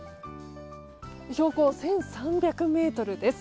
標高１３００ｍです。